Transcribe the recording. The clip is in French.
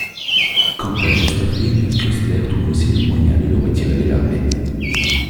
Quant à Chesterfield, Kürstler trouve aussi le moyen de le retirer de l'armée.